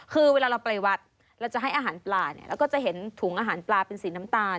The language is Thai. คือเวลาเราไปวัดเราจะให้อาหารปลาเนี่ยเราก็จะเห็นถุงอาหารปลาเป็นสีน้ำตาล